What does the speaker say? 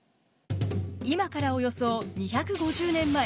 今からおよそ２５０年前。